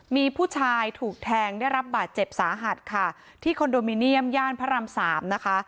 มีผู้ชายถูกแทงได้รับบาดเจ็บสาหัสค่ะที่คอนโดมิเนียมย่านพระรามสามนะคะ